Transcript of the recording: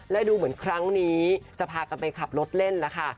และดูเหมือนครั้งนี้จะพากันไปขับรถเล่นแล้วค่ะ